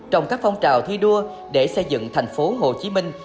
trong các phong trào thi đua để xây dựng thành phố hồ chí minh